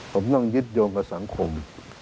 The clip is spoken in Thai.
ผมต้องยึดโยงกับสังคม